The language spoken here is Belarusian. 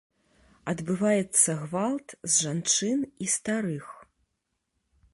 Адбываецца гвалт з жанчын і старых.